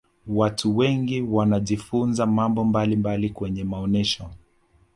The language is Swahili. watu wengi wanajifunza mambo mbalimbali kwenye maonesho